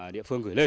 địa phương gửi lên